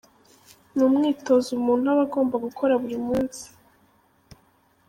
Ni umwitozo umuntu aba agomba gukora buri munsi.